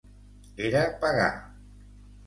Era pagà.